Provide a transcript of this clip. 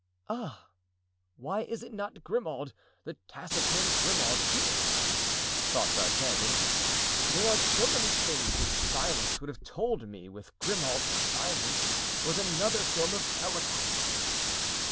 "Ah! why is not Grimaud, the taciturn Grimaud, here?" thought D'Artagnan, "there are so many things his silence would have told me; with Grimaud silence was another form of eloquence!"